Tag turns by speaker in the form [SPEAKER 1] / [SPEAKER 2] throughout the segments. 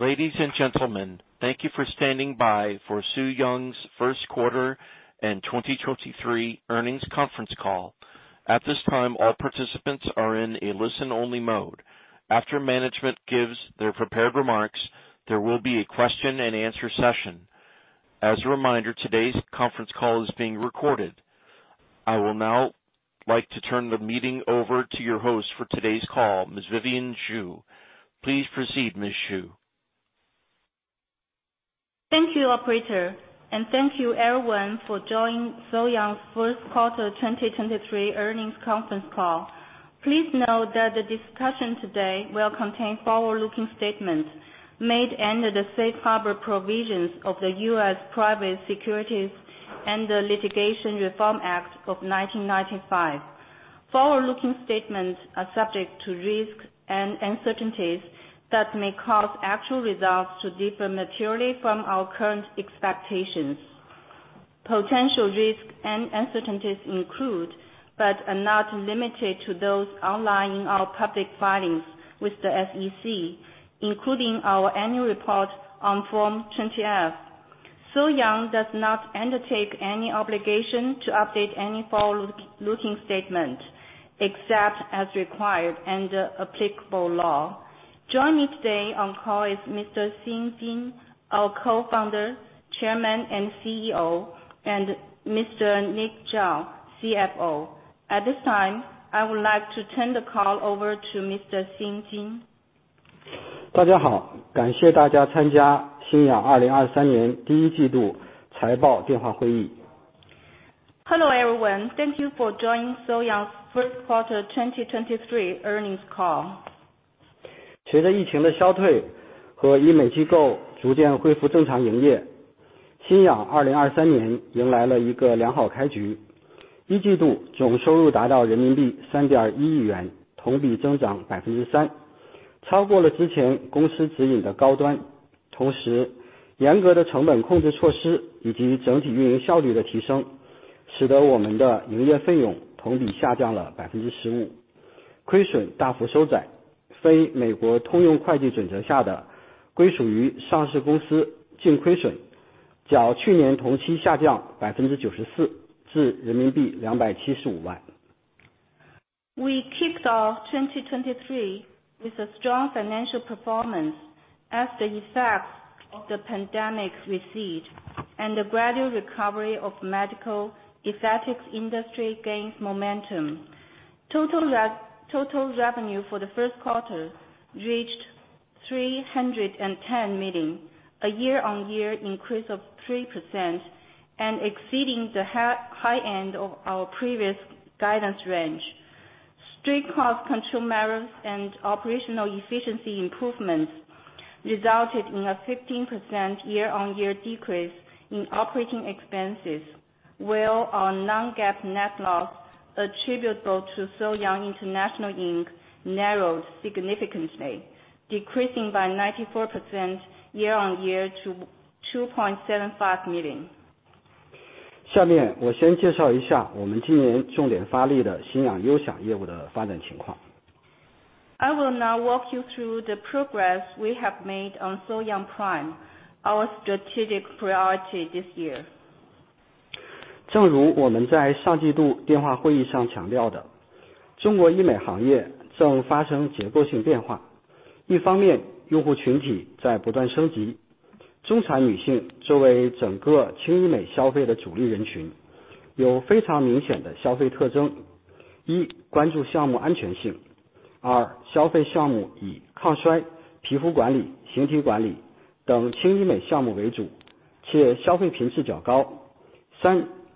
[SPEAKER 1] Ladies and gentlemen, thank you for standing by for So-Young's first quarter and 2023 earnings conference call. At this time, all participants are in a listen-only mode. After management gives their prepared remarks, there will be a question and answer session. As a reminder, today's conference call is being recorded. I will now like to turn the meeting over to your host for today's call, Ms. Vivian Xu. Please proceed, Ms. Xu.
[SPEAKER 2] Thank you, operator, and thank you everyone for joining So-Young's first quarter 2023 earnings conference call. Please know that the discussion today will contain forward-looking statements made under the safe harbor provisions of the U.S. Private Securities Litigation Reform Act of 1995. Forward-looking statements are subject to risks and uncertainties that may cause actual results to differ materially from our current expectations. Potential risks and uncertainties include, but are not limited to those outlined in our public filings with the SEC, including our annual report on Form 20-F. So-Young does not undertake any obligation to update any forward-looking statement, except as required under applicable law. Joining me today on call is Mr. Xing Jin, our co-founder, chairman, and CEO, and Mr. Nick Zhao, CFO. At this time, I would like to turn the call over to Mr. Xing Jin. Hello, everyone. Thank you for joining So-Young's first quarter 2023 earnings call. We kicked off 2023 with a strong financial performance as the effects of the pandemic recede and the gradual recovery of medical aesthetics industry gains momentum. Total revenue for the first quarter reached 310 million, a year-on-year increase of 3% and exceeding the high end of our previous guidance range. Strict cost control measures and operational efficiency improvements resulted in a 15% year-on-year decrease in operating expenses, while our non-GAAP net loss attributable to So-Young International Inc. narrowed significantly, decreasing by 94% year-on-year to 2.75 million. I will now walk you through the progress we have made on So-Young Prime, our strategic priority this year.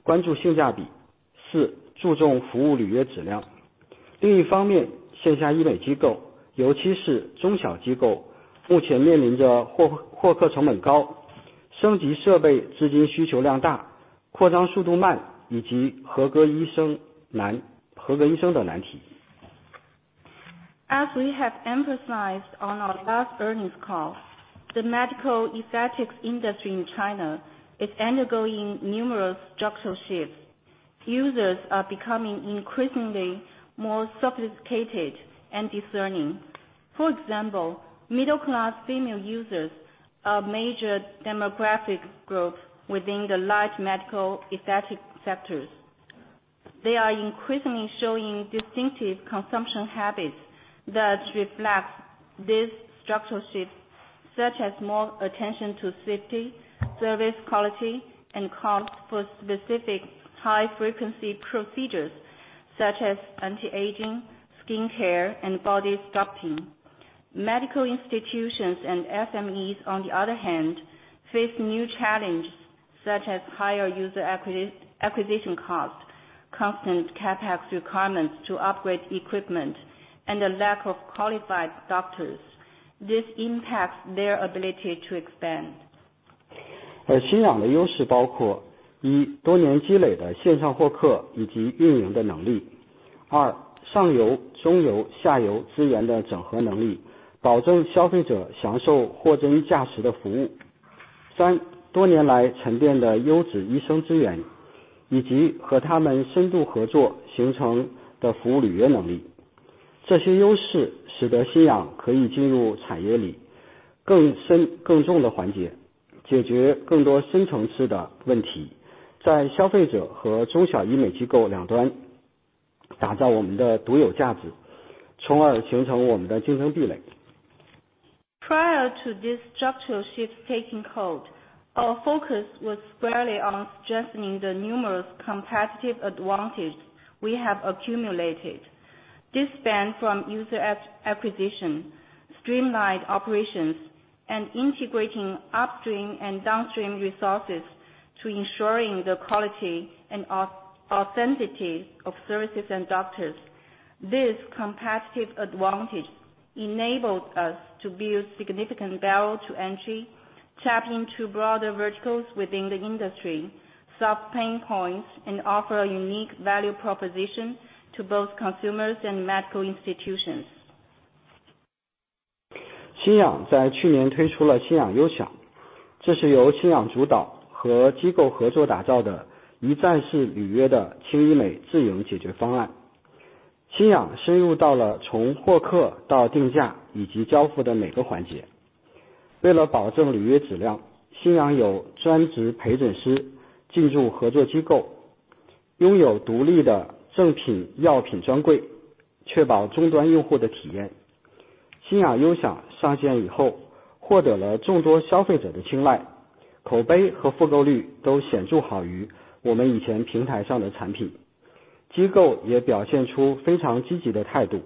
[SPEAKER 2] As we have emphasized on our last earnings call, the medical aesthetics industry in China is undergoing numerous structural shifts. Users are becoming increasingly more sophisticated and discerning. For example, middle-class female users are a major demographic group within the large medical aesthetic sectors. They are increasingly showing distinctive consumption habits that reflect these structural shifts, such as more attention to safety, service quality, and cost for specific high-frequency procedures such as anti-aging, skin care, and body sculpting. Medical institutions and SMEs, on the other hand, face new challenges such as higher user acquisition costs, constant CapEx requirements to upgrade equipment, and a lack of qualified doctors. This impacts their ability to expand.
[SPEAKER 3] 三、多年来沉淀的优质医生资 源， 以及和他们深度合作形成的服务履约能力。这些优势使得新氧可以进入产业里更深更重的环节，解决更多深层次的问 题， 在消费者和中小医美机构两端打造我们的独有价 值， 从而形成我们的竞争壁垒。
[SPEAKER 2] Prior to this structural shift taking hold, our focus was squarely on strengthening the numerous competitive advantages we have accumulated. This span from user acquisition, streamlined operations and integrating upstream and downstream resources to ensuring the quality and authenticity of services and doctors. This competitive advantage enabled us to build significant barrier to entry, tap into broader verticals within the industry, solve pain points, and offer a unique value proposition to both consumers and medical institutions.
[SPEAKER 3] So-Young 在去年推出了 So-Young Prime， 这是由 So-Young 主导和机构合作打造的一站式预约的轻医美自由解决方案。So-Young 深入到了从获客到定价以及交付的每个环节。为了保证预约质 量， So-Young 有专职培训师进驻合作机 构， 拥有独立的正品药品专 柜， 确保终端用户的体验。So-Young Prime 上线以 后， 获得了众多消费者的青 睐， 口碑和复购率都显著好于我们以前平台上的产 品， 机构也表现出非常积极的态度。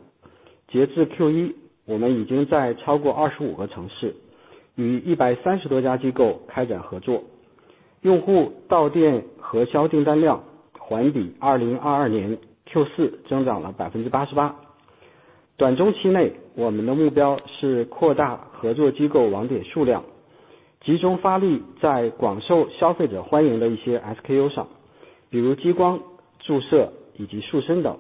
[SPEAKER 3] 截至 Q1， 我们已经在超过25个城市与130多家机构开展合作。用户到店和销订单量环比2022年 Q4 增长了 88%。短中期内，我们的目标是扩大合作机构网点数 量， 集中发力在广受消费者欢迎的一些 SKU 上， 比如激光、注射以及塑身 等，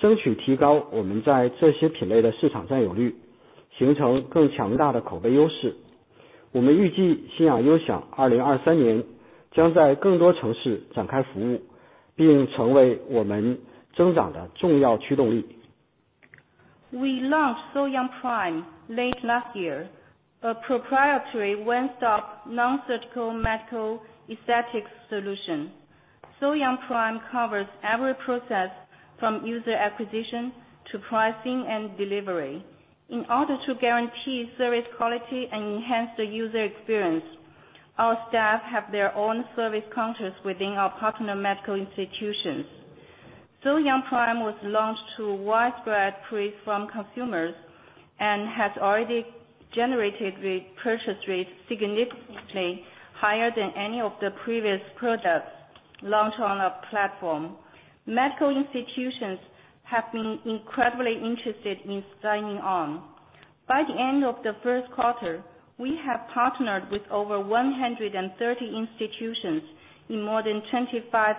[SPEAKER 3] 争取提高我们在这些品类的市场占有 率， 形成更强大的口碑优势。我们预计 So-Young Prime 2023年将在更多城市展开服 务， 并成为我们增长的重要驱动力。
[SPEAKER 2] We launched So-Young Prime late last year, a proprietary one-stop nonsurgical medical aesthetics solution. So-Young Prime covers every process from user acquisition to pricing and delivery. In order to guarantee service quality and enhance the user experience, our staff have their own service counters within our partner medical institutions. So-Young Prime was launched to widespread praise from consumers and has already generated re-purchase rates significantly higher than any of the previous products launched on our platform. Medical institutions have been incredibly interested in signing on. By the end of the first quarter, we have partnered with over 130 institutions in more than 25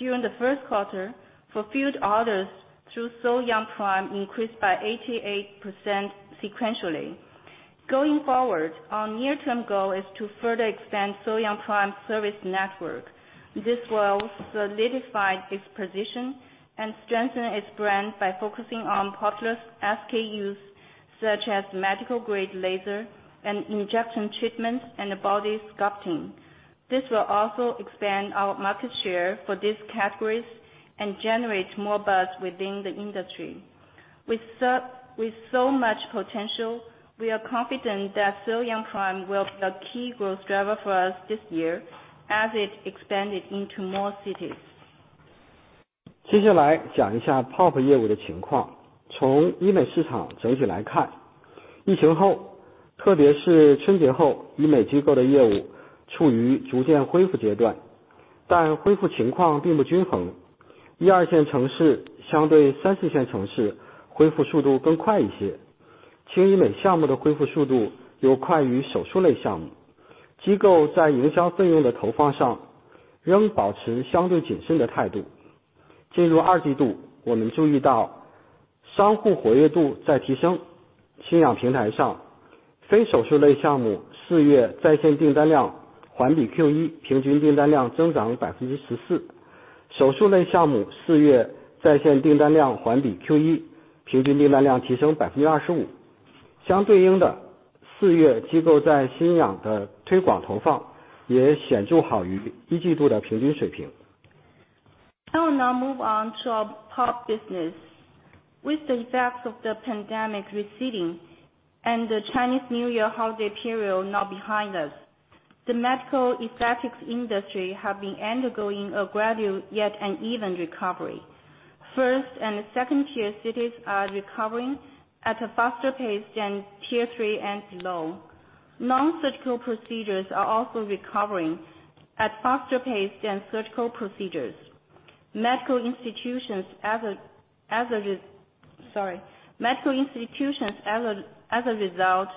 [SPEAKER 2] cities. During the first quarter, fulfilled orders through So-Young Prime increased by 88% sequentially. Going forward, our near-term goal is to further expand So-Young Prime service network. This will solidify its position and strengthen its brand by focusing on popular SKUs such as medical-grade laser and injection treatments and body sculpting. This will also expand our market share for these categories and generate more buzz within the industry. With so much potential, we are confident that So-Young Prime will be a key growth driver for us this year as it expanded into more cities.
[SPEAKER 3] 接下来讲一下 POP 业务的情况。从医美市场整体来 看， 疫情 后， 特别是春节 后， 医美机构的业务处于逐渐恢复阶 段， 但恢复情况并不均衡。一二线城市相对三四线城市恢复速度更快一 些， 轻医美项目的恢复速度又快于手术类项目。机构在营销费用的投放上仍保持相对谨慎的态度。进入二季 度， 我们注意到商户活跃度在提升。新氧平台上非手术类项目四月在线订单量环比 Q1 平均订单量增长百分之十四。手术类项目四月在线订单量环比 Q1 平均订单量提升百分之二十五。相对应 的， 四月机构在新氧的推广投放也显著好于一季度的平均水平。
[SPEAKER 2] I will now move on to our POP business. With the effects of the pandemic receding and the Chinese New Year holiday period now behind us, the medical aesthetics industry have been undergoing a gradual yet uneven recovery. First and second tier cities are recovering at a faster pace than Tier 3 and below. Nonsurgical procedures are also recovering at faster pace than surgical procedures. Medical institutions as a result,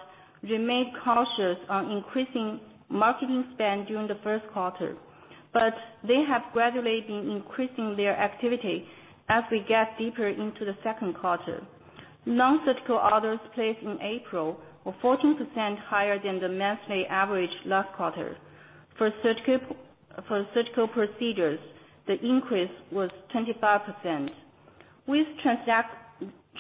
[SPEAKER 2] remained cautious on increasing marketing spend during the first quarter, but they have gradually been increasing their activity as we get deeper into the second quarter. Non-surgical orders placed in April were 14% higher than the monthly average last quarter. For surgical procedures, the increase was 25%. With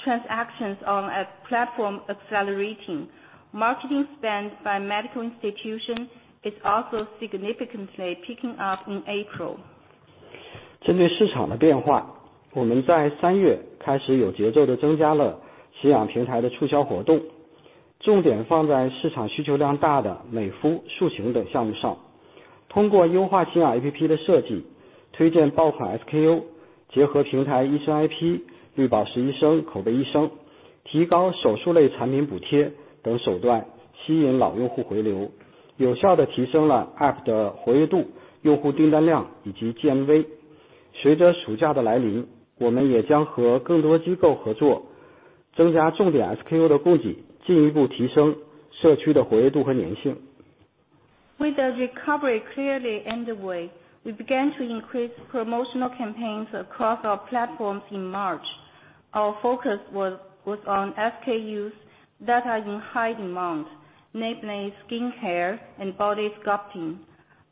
[SPEAKER 2] transactions on our platform accelerating, marketing spend by medical institution is also significantly picking up in April. With the recovery clearly underway, we began to increase promotional campaigns across our platforms in March. Our focus was on SKUs that are in high demand, namely skincare and body sculpting.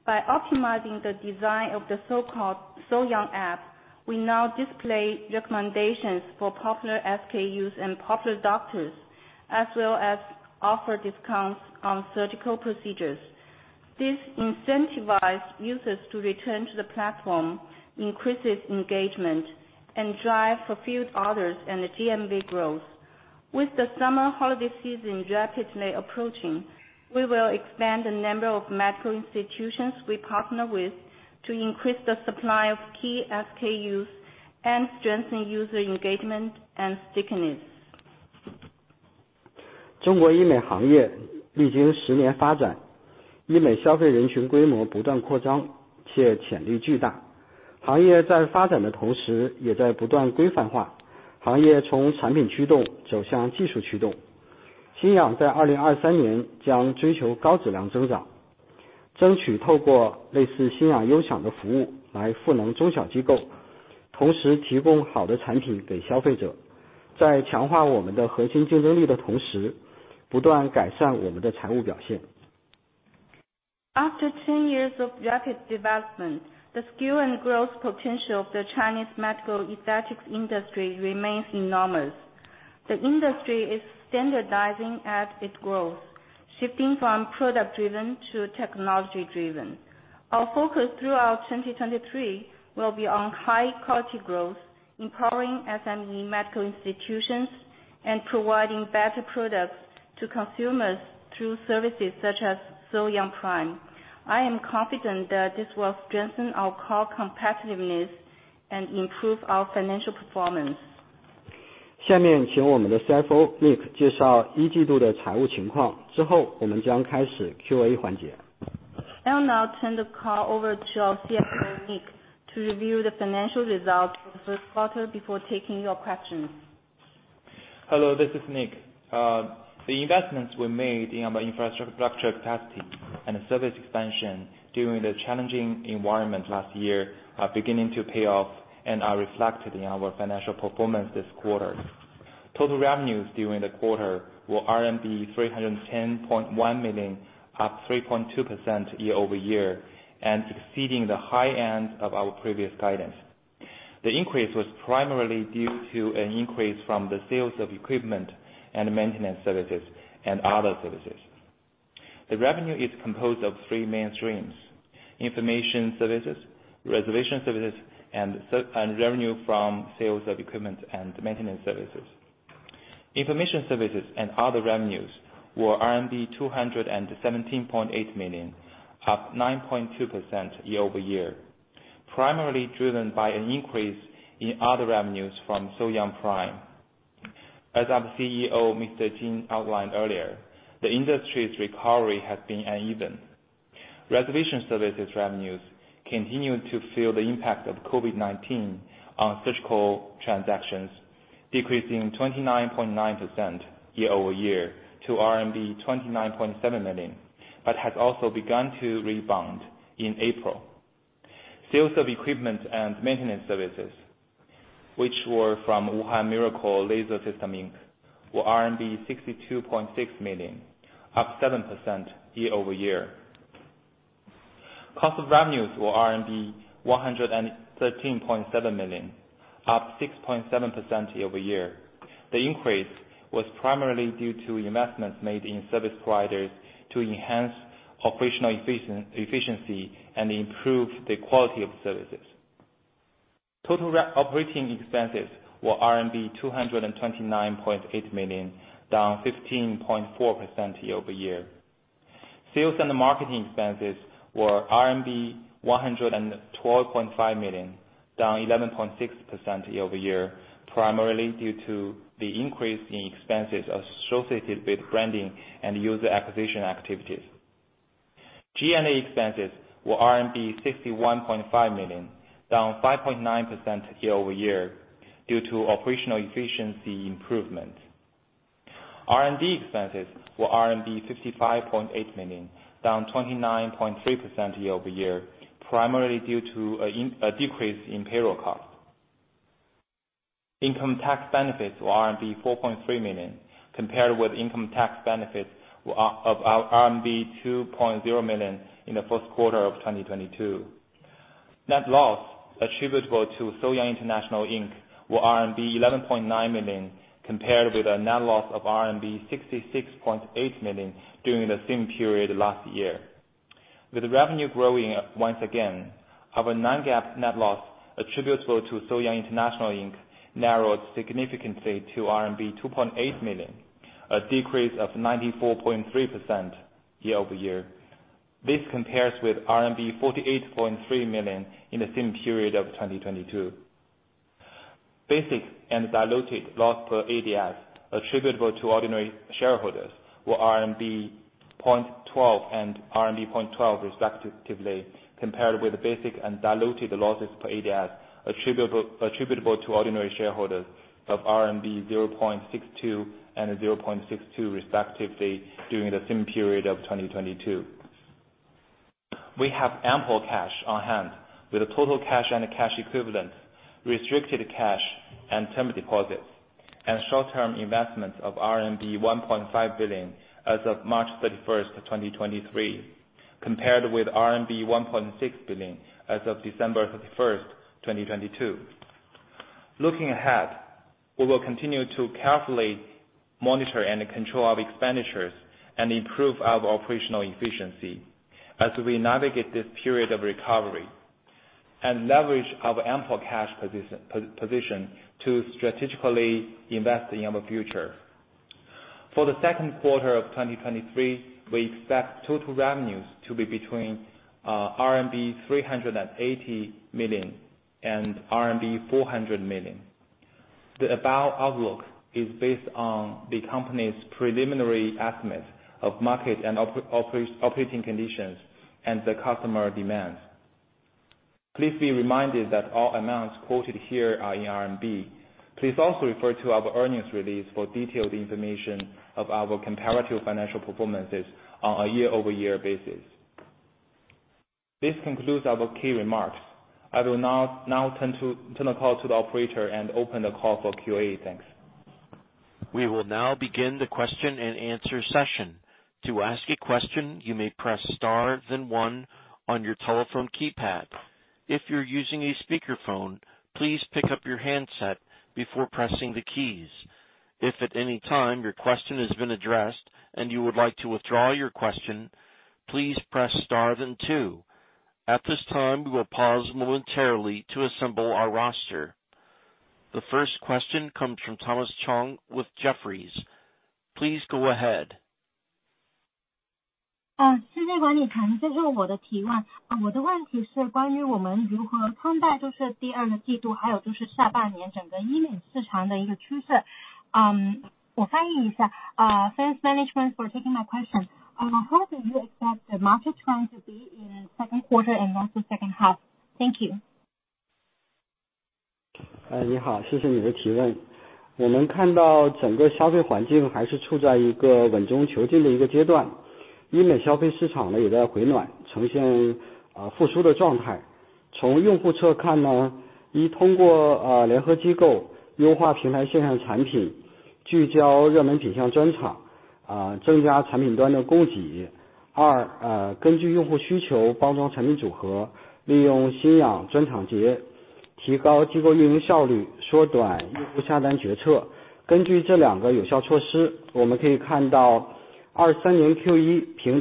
[SPEAKER 2] By optimizing the design of the so-called So-Young app, we now display recommendations for popular SKUs and popular doctors, as well as offer discounts on surgical procedures. This incentivized users to return to the platform, increases engagement, and drive fulfilled orders and the GMV growth. With the summer holiday season rapidly approaching, we will expand the number of medical institutions we partner with to increase the supply of key SKUs and strengthen user engagement and stickiness. After 10 years of rapid development, the scale and growth potential of the Chinese medical aesthetics industry remains enormous. The industry is standardizing as it grows, shifting from product driven to technology driven. Our focus throughout 2023 will be on high quality growth, empowering SME medical institutions, and providing better products to consumers through services such as So-Young Prime. I am confident that this will strengthen our core competitiveness and improve our financial performance. I'll now turn the call over to our CFO, Nick, to review the financial results for the first quarter before taking your questions.
[SPEAKER 4] Hello, this is Nick. The investments we made in our infrastructure capacity and service expansion during the challenging environment last year are beginning to pay off and are reflected in our financial performance this quarter. Total revenues during the quarter were RMB 310.1 million, up 3.2% year-over-year, exceeding the high end of our previous guidance. The increase was primarily due to an increase from the sales of equipment and maintenance services and other services. The revenue is composed of three main streams: information services, reservation services and revenue from sales of equipment and maintenance services. Information services and other revenues were RMB 217.8 million, up 9.2% year-over-year. Primarily driven by an increase in other revenues from So-Young Prime. As our CEO, Mr. Jin, outlined earlier, the industry's recovery has been uneven. Reservation services revenues continue to feel the impact of COVID-19 on surgical transactions, decreasing 29.9% year-over-year to RMB 29.7 million, but has also begun to rebound in April. Sales of equipment and maintenance services, which were from Wuhan Miracle Laser Systems, Inc., were RMB 62.6 million, up 7% year-over-year. Cost of revenues were RMB 113.7 million, up 6.7% year-over-year. The increase was primarily due to investments made in service providers to enhance operational efficiency and improve the quality of services. Total operating expenses were RMB 229.8 million, down 15.4% year-over-year. Sales and marketing expenses were RMB 112.5 million, down 11.6% year-over-year, primarily due to the increase in expenses associated with branding and user acquisition activities. G&A expenses were RMB 61.5 million, down 5.9% year-over-year due to operational efficiency improvement. R&D expenses were 55.8 million, down 29.3% year-over-year, primarily due to a decrease in payroll costs. Income tax benefits were RMB 4.3 million compared with income tax benefits of RMB 2.0 million in the first quarter of 2022. Net loss attributable to So-Young International Inc. were RMB 11.9 million, compared with a net loss of RMB 66.8 million during the same period last year. With revenue growing once again, our non-GAAP net loss attributable to So-Young International Inc. narrowed significantly to RMB 2.8 million, a decrease of 94.3% year-over-year. This compares with RMB 48.3 million in the same period of 2022. Basic and diluted loss per ADS attributable to ordinary shareholders were RMB 0.12 and RMB 0.12 respectively, compared with the basic and diluted losses per ADS attributable to ordinary shareholders of RMB 0.62 and 0.62 respectively during the same period of 2022. We have ample cash on hand with a total cash and cash equivalents, restricted cash and term deposits and short-term investments of RMB 1.5 billion as of March 31st, 2023, compared with RMB 1.6 billion as of December 31st, 2022. Looking ahead, we will continue to carefully monitor and control our expenditures and improve our operational efficiency as we navigate this period of recovery and leverage our ample cash position to strategically invest in our future. For the second quarter of 2023, we expect total revenues to be between RMB 380 million and RMB 400 million. The above outlook is based on the company's preliminary estimates of market and operating conditions and the customer demands. Please be reminded that all amounts quoted here are in RMB. Please also refer to our earnings release for detailed information of our comparative financial performances on a year-over-year basis. This concludes our key remarks. I will now turn the call to the operator and open the call for QA. Thanks.
[SPEAKER 1] We will now begin the question and answer session. To ask a question, you may press star then one on your telephone keypad. If you're using a speakerphone, please pick up your handset before pressing the keys. If at any time your question has been addressed and you would like to withdraw your question, please press star then two. At this time, we will pause momentarily to assemble our roster. The first question comes from Thomas Chong with Jefferies. Please go ahead.
[SPEAKER 2] Thanks management for taking my question. How do you expect the market trend to be in the second quarter and also second half? Thank you. Consumption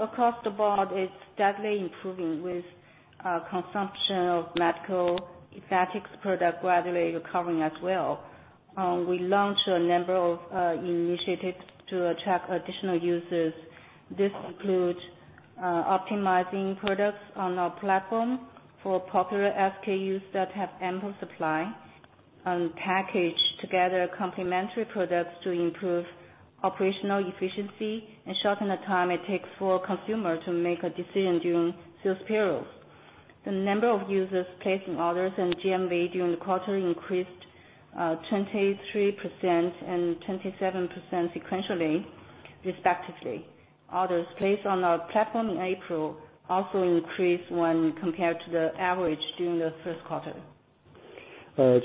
[SPEAKER 2] across the board is steadily improving with consumption of medical aesthetics product gradually recovering as well. We launched a number of initiatives to attract additional users. This include optimizing products on our platform for popular SKUs that have ample supply, and package together complementary products to improve operational efficiency and shorten the time it takes for a consumer to make a decision during sales periods. The number of users placing orders and GMV during the quarter increased 23% and 27% sequentially, respectively. Orders placed on our platform in April also increased when compared to the average during the first quarter.
[SPEAKER 5] 我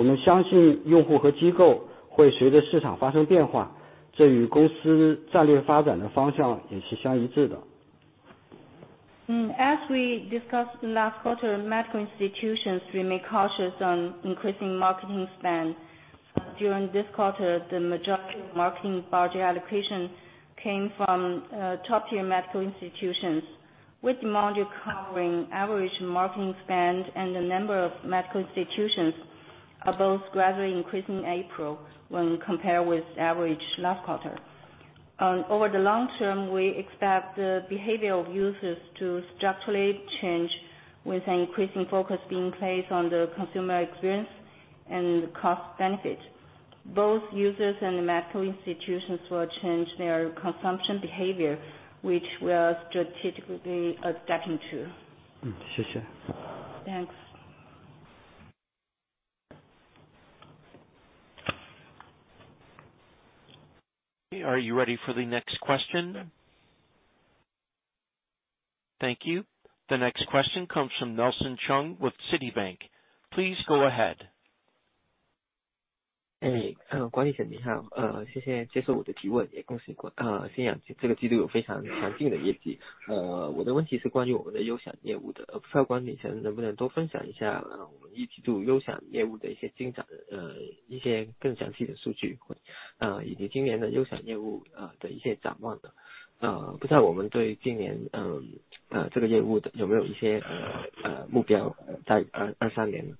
[SPEAKER 5] 们相信用户和机构会随着市场发生变化，这与公司战略发展的方向也是相一致 的.
[SPEAKER 2] As we discussed last quarter medical institutions remain cautious on increasing marketing spend. During this quarter, the majority of marketing budget allocation came from top tier medical institutions, with module covering average marketing spend and the number of medical institutions are both gradually increase in April when compared with average last quarter. Over the long term, we expect the behavior of users to structurally change, with an increasing focus being placed on the consumer experience and cost benefit. Both users and medical institutions will change their consumption behavior, which we are strategically adapting to.
[SPEAKER 5] 谢 谢.
[SPEAKER 2] Thanks。
[SPEAKER 1] Are you ready for the next question? Thank you. The next question comes from Nelson Cheung with Citibank. Please go ahead.
[SPEAKER 6] 哎， 郭经理您 好， 呃， 谢谢接受我的提 问， 也恭 喜， 呃， 新氧这个季度有非常强劲的业绩。呃， 我的问题是关于我们的优想业务 的， 不知道郭经理能不能多分享一 下， 呃， 我们一季度优想业务的一些进 展， 呃， 一些更详细的数 据， 呃， 以及今年的优想业 务， 呃， 的一些展望 呢？ 呃， 不知道我们对今 年， 呃， 呃， 这个业务有没有一 些， 呃， 呃， 目标在二三年。Uh,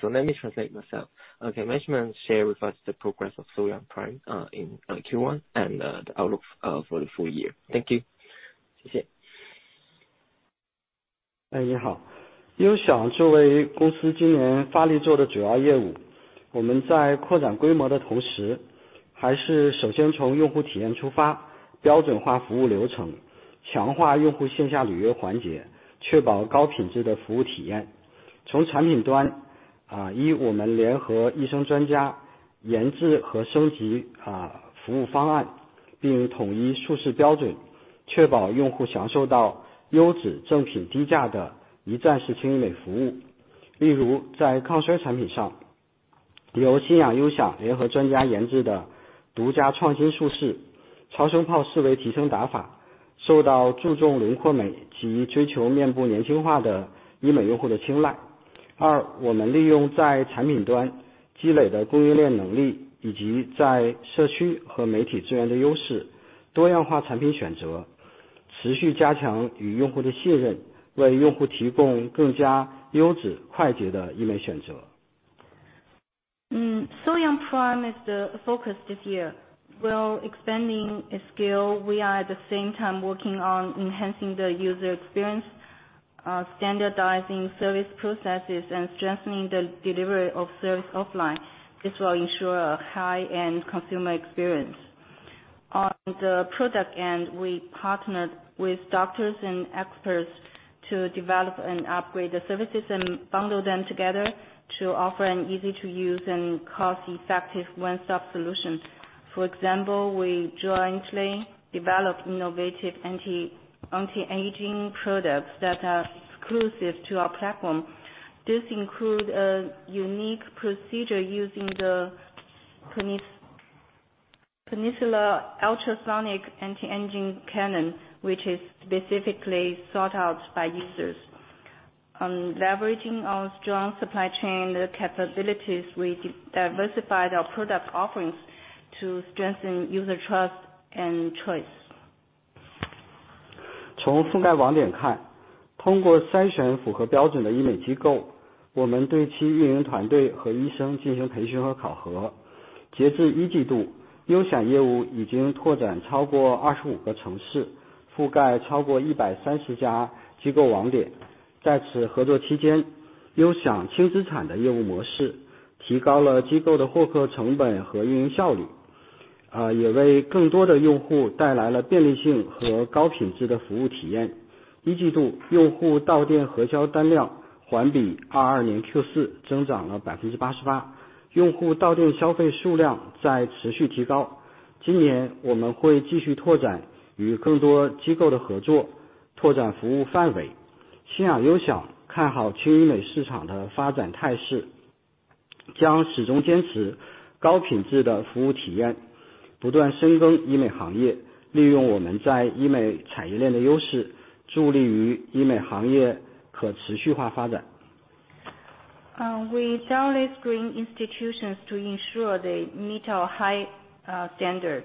[SPEAKER 6] so let me translate myself. Okay. Management share with us the progress of So-Young Prime in Q1 and the outlook for the full year. Thank you.
[SPEAKER 3] 谢谢。哎， 你好。优想作为公司今年发力做的主要业 务， 我们在扩展规模的同 时， 还是首先从用户体验出 发， 标准化服务流 程， 强化用户线下预约环 节， 确保高品质的服务体验。从产品端，啊一我们联合医生专家研制和升级啊服务方 案， 并统一术式标 准， 确保用户享受到优质正品低价的一站式医美服务。例如在抗衰产品 上， 由新氧优想联合专家研制的独家创新术 式， 超声炮四维提升打 法， 受到注重轮廓美及追求面部年轻化的医美用户的青睐。二、我们利用在产品端积累的供应链能 力， 以及在社区和媒体资源的优 势， 多样化产品选 择， 持续加强与用户的信 任， 为用户提供更加优质快捷的医美选择。
[SPEAKER 2] So-Young Prime is the focus this year, while expanding scale, we are at the same time working on enhancing the user experience, standardizing service processes and strengthening the delivery of service offline. This will ensure a high-end consumer experience. On the product end, we partnered with doctors and experts to develop and upgrade the services and bundle them together to offer an easy-to-use and cost-effective one-stop solution. For example, we jointly develop innovative anti-aging products that are exclusive to our platform. This include a unique procedure using the Ulthera ultrasonic anti-aging cannon, which is specifically sought out by users. Leveraging our strong supply chain capabilities, we diversified our product offerings to strengthen user trust and choice.
[SPEAKER 3] 从覆盖网点 看， 通过筛选符合标准的医美机 构， 我们对其运营团队和医生进行培训和考核。截至 Q1， So-Young Prime 业务已经拓展超过25个城 市， 覆盖超过130家机构网点。在此合作期 间， So-Young Prime 轻资产的业务模式提高了机构的获客成本和运营效率，也为更多的用户带来了便利性和高品质的服务体验。Q1 用户到店核销单量环比2022 Q4 增长了 88%， 用户到店消费数量在持续提高。今年我们会继续拓展与更多机构的合 作， 拓展服务范围。So-Young So-Young Prime 看好轻医美市场的发展态 势， 将始终坚持高品质的服务体验，不断深耕医美行 业， 利用我们在医美产业链的优 势， 助力于医美行业可持续化发展。
[SPEAKER 2] We thoroughly screen institutions to ensure they meet our high standard.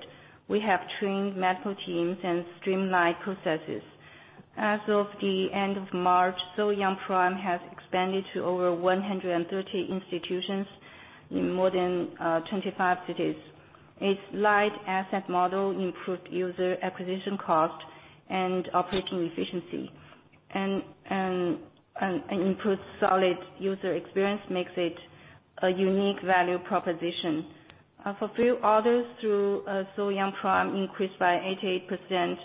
[SPEAKER 2] We have trained medical teams and streamlined processes. As of the end of March, So-Young Prime has expanded to over 130 institutions in more than 25 cities. Its light asset model improved user acquisition cost and operating efficiency and improved solid user experience makes it a unique value proposition. Fulfill orders through So-Young Prime increased by 88%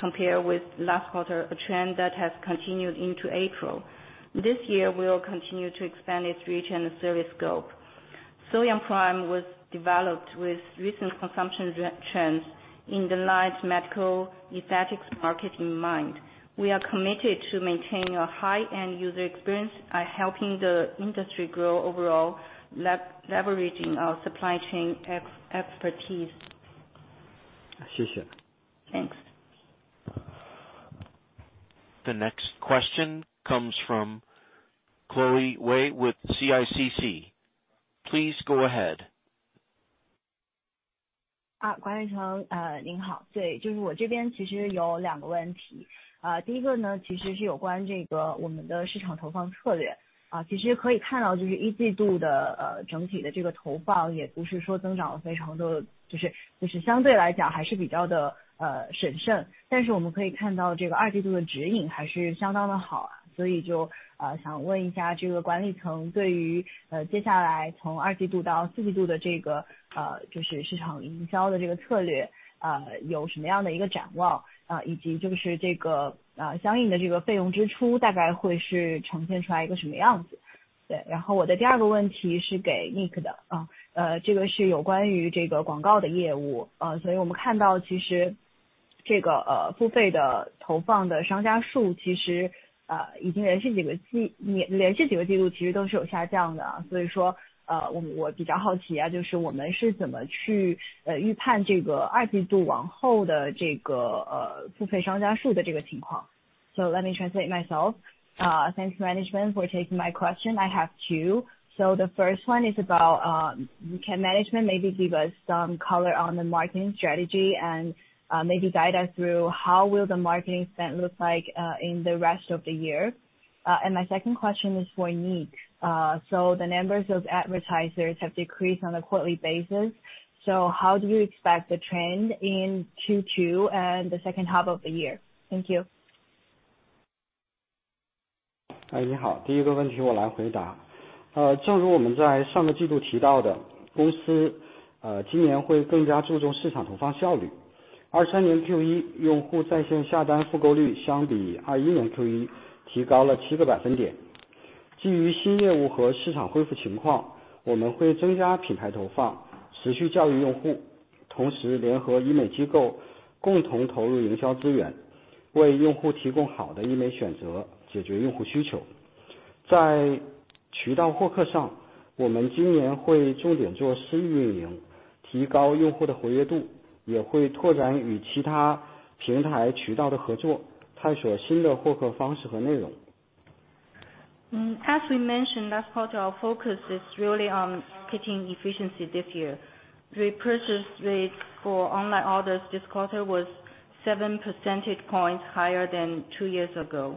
[SPEAKER 2] compared with last quarter, a trend that has continued into April. This year, we will continue to expand its reach and service scope. So-Young Prime was developed with recent consumption re-trends in the large medical aesthetics market in mind. We are committed to maintaining a high-end user experience by helping the industry grow overall, leveraging our supply chain expertise. Thanks.
[SPEAKER 1] The next question comes from Chloe Wei with CICC. Please go ahead.
[SPEAKER 7] Uh, 第一个 呢, 其实是有关这个我们的市场投放策略。啊， 其实可以看 到， 就是一季度 的， 呃， 整体的这个投放也不是说增长了非常 多， 就 是， 就是相对来讲还是比较 的， 呃， 审慎。但是我们可以看到这个二季度的指引还是相当的好，所以 就， 呃， 想问一下这个管理 层， 对 于， 呃， 接下来从二季度到四季度的这 个， 呃， 就是市场营销的这个策 略， 呃， 有什么样的一个展 望， 啊， 以及就是这 个， 呃， 相应的这个费用支出大概会是呈现出来一个什么样子。对， 然后我的第二个问题是给 Nick 的。嗯， 呃， 这个是有关于这个广告的业 务， 呃， 所以我们看到其实这 个， 呃， 付费的投放的商家 数， 其 实， 呃， 已经连续几个 季， 连-连续几个季度其实都是有下降的。所以 说， 呃， 我-我比较好奇 啊， 就是我们是怎么 去， 呃， 预判这个二季度往后的这 个， 呃， 付费商家数的这个情况。So let me translate myself. Thanks management for taking my question, I have two. The first one is about, can management maybe give us some color on the marketing strategy and, maybe guide us through how will the marketing spend look like, in the rest of the year? And my second question is for Nick. The numbers of advertisers have decreased on a quarterly basis. How do you expect the trend in Q2 and the second half of the year? Thank you.
[SPEAKER 3] Uh, 正如我们在上个季度提到 的， 公 司， 呃， 今年会更加注重市场投放效率。二三年 Q1 用户在线下单复购率相比二一年 Q1 提高了七个百分点。基于新业务和市场恢复情 况， 我们会增加品牌投 放， 持续教育用 户， 同时联合医美机构共同投入营销资 源， 为用户提供好的医美选 择， 解决用户需求。在渠道获客 上， 我们今年会重点做私域运 营， 提高用户的活跃度，也会拓展与其他平台渠道的合 作， 探索新的获客方式和内容。
[SPEAKER 2] As we mentioned, that's part of our focus is really on getting efficiency this year. Repurchase rate for online orders this quarter was 7 percentage points higher than two years ago.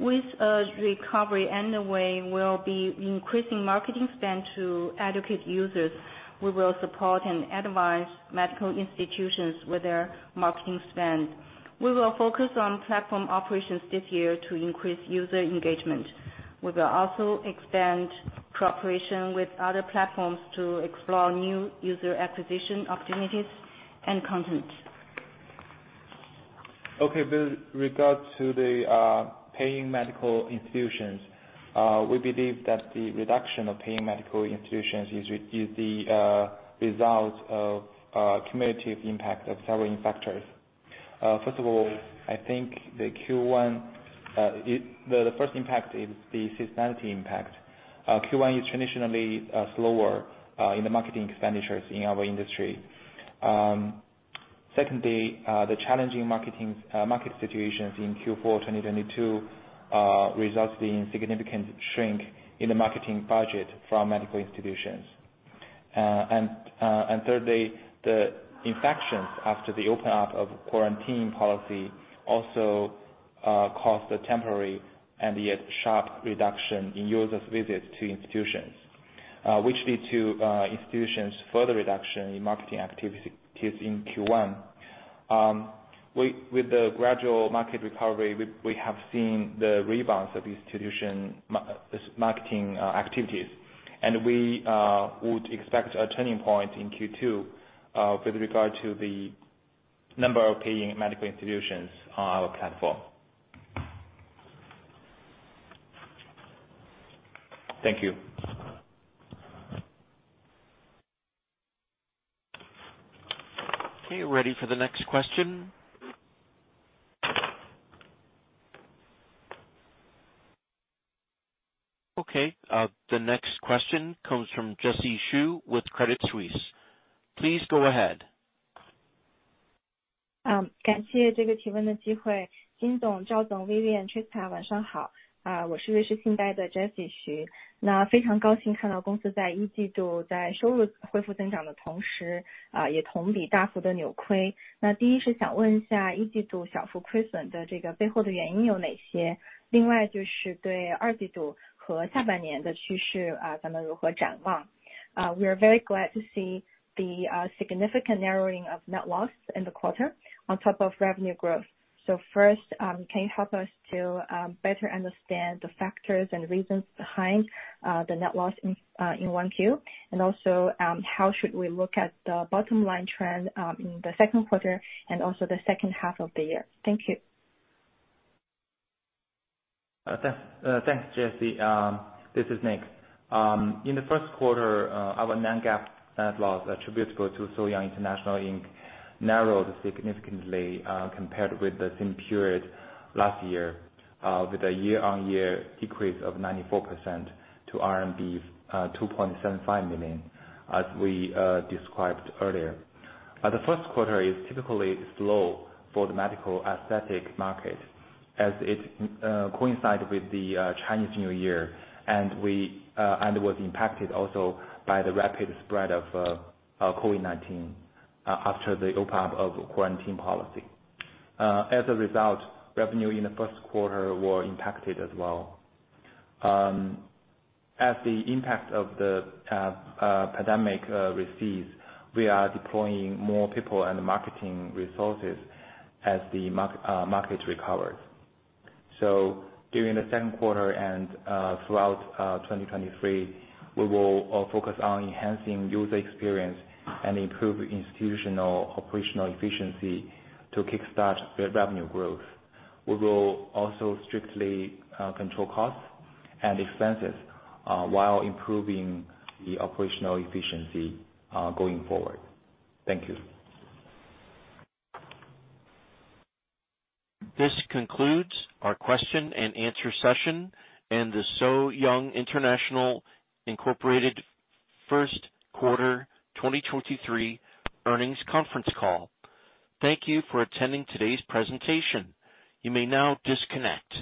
[SPEAKER 2] With a recovery underway, we'll be increasing marketing spend to educate users. We will support and advise medical institutions with their marketing spend. We will focus on platform operations this year to increase user engagement. We will also expand cooperation with other platforms to explore new user acquisition opportunities and content.
[SPEAKER 4] Okay. With regard to the paying medical institutions, we believe that the reduction of paying medical institutions is the result of a cumulative impact of several factors. First of all, I think the Q1, the first impact is the seasonality impact. Q1 is traditionally slower in the marketing expenditures in our industry. Secondly, the challenging market situations in Q4 2022 resulted in significant shrink in the marketing budget from medical institutions. Thirdly, the infections after the open up of quarantine policy also caused a temporary and yet sharp reduction in users visits to institutions, which lead to institutions further reduction in marketing activities in Q1. With the gradual market recovery, we have seen the rebounds of institution marketing activities. We would expect a turning point in Q2 with regard to the number of paying medical institutions on our platform. Thank you.
[SPEAKER 1] Okay, ready for the next question. Okay. The next question comes from Jessie Xu with Credit Suisse. Please go ahead.
[SPEAKER 8] 那非常高兴看到公司在一季度在收入恢复增长的同 时， 也同比大幅的扭亏。那第一是想问一下一季度小幅亏损的这个背后的原因有哪 些？ 另外就是对二季度和下半年的趋 势， 咱们如何展望。We are very glad to see the significant narrowing of net loss in the quarter on top of revenue growth. First, can you help us to better understand the factors and reasons behind the net loss in 1Q? How should we look at the bottom line trend, in the second quarter and also the second half of the year? Thank you.
[SPEAKER 4] Thanks, Jessie. This is Nick. In the first quarter, our non-GAAP net loss attributable to So-Young International Inc. narrowed significantly, compared with the same period last year, with a year-on-year decrease of 94% to RMB 2.75 million, as we described earlier. The first quarter is typically slow for the medical aesthetic market as it coincided with the Chinese New Year, and was impacted also by the rapid spread of COVID-19 after the open up of quarantine policy. As a result, revenue in the first quarter were impacted as well. As the impact of the pandemic recedes, we are deploying more people and marketing resources as the market recovers. During the second quarter and throughout 2023, we will focus on enhancing user experience and improve institutional operational efficiency to kick-start the revenue growth. We will also strictly control costs and expenses while improving the operational efficiency going forward. Thank you.
[SPEAKER 1] This concludes our question and answer session and the So-Young International, Incorporated first quarter 2023 earnings conference call. Thank you for attending today's presentation. You may now disconnect.